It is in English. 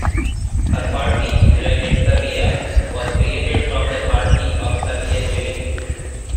Her party, United Serbia, was created from the Party of Serbian Unity.